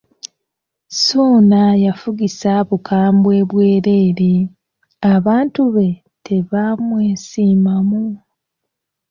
Ssuuna yafuzisa bukambwe bwereere, abantu be tebaamwesiimamu.